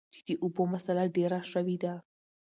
چې د اوبو مسله ډېره شوي ده ـ